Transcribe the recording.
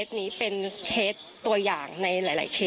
พี่น้องวาหรือว่าน้องวาหรือ